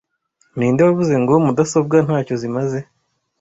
Ninde wavuze ngo "mudasobwa ntacyo zimaze